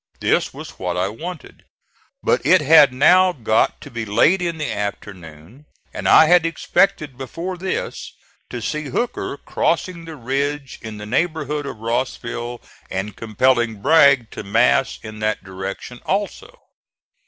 This was what I wanted. But it had now got to be late in the afternoon, and I had expected before this to see Hooker crossing the ridge in the neighborhood of Rossville and compelling Bragg to mass in that direction also.